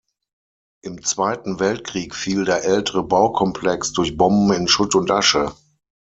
Im Zweiten Weltkrieg fiel der ältere Baukomplex durch Bomben in Schutt und Asche.